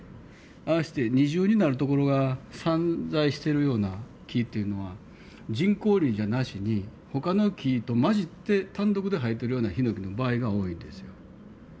ああして二重になるところが散在してるような木っていうのは人工林じゃなしに他の木と交じって単独で生えてるようなヒノキの場合が多いんですよ。